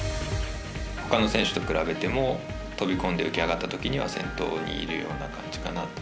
ほかの選手と比べても飛び込んで浮き上がったときには先頭にいるような感じかなと。